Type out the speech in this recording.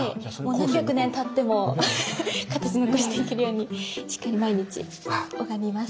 何百年たっても形残していけるようにしっかり毎日拝みます。